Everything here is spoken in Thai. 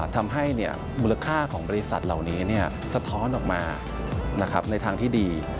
ทำให้มูลค่าของบริษัทเหล่านี้สะท้อนออกมาในทางที่ดี